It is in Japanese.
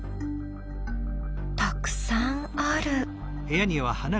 たくさんある。